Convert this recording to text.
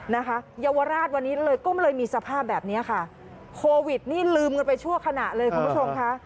นะคะเยาวราชวันนี้เลยก็เลยมีสภาพแบบเนี้ยค่ะโควิดนี่ลืมกันไปชั่วขณะเลยคุณผู้ชมค่ะ